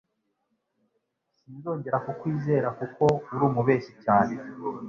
Sinzongera kukwizera kuko uri umubeshyi cyane.